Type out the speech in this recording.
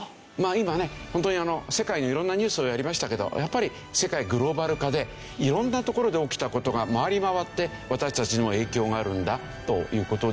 今ねホントに世界の色んなニュースをやりましたけどやっぱり世界グローバル化で色んな所で起きた事が回り回って私たちにも影響があるんだという事ですよね。